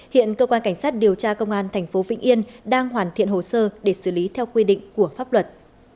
hiện cơ quan cảnh sát điều tra công an tp vĩnh yên đang hoàn thiện hồ sơ để xử lý theo quy định của pháp luật